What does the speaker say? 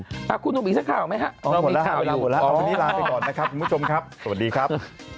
คุณหนุ่มมีสักข่าวไหมฮะอ๋อหมดแล้วข่าววันนี้ลาไปก่อนนะครับคุณผู้ชมครับสวัสดีครับ